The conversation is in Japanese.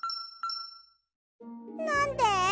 なんで？